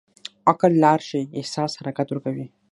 عقل لار ښيي، احساس حرکت ورکوي.